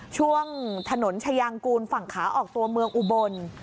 ช่วงถนนชายางกูลฝั่งขาออกตัวเมืองอุบล